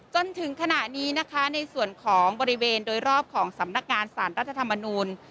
จนถึงขณะนี้นะคะในส่วนของบริเวณโดยรอบของสำนักงานสารรัฐธรรมนูล